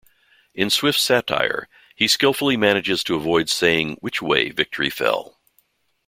In Swift's satire, he skilfully manages to avoid saying which way victory fell.